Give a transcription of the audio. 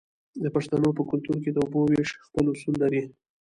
د پښتنو په کلتور کې د اوبو ویش خپل اصول لري.